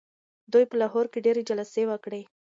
دوی په لاهور کي ډیري جلسې وکړې.